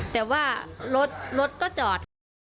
แต่ว่ารถก็จอด